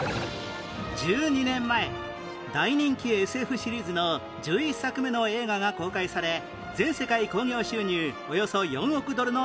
１２年前大人気 ＳＦ シリーズの１１作目の映画が公開され全世界興業収入およそ４億ドルの大ヒット